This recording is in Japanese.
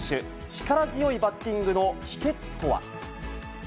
力強いバッティングの秘けつとは。